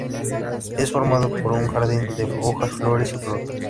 Es formado por un jardín de hojas, flores y frutas.